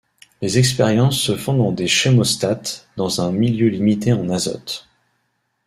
Les expériences se font dans des chémostats, dans un milieu limité en azote.